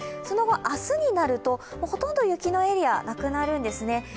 その後、明日になるとほとんど雪のエリアはなくなるんですね。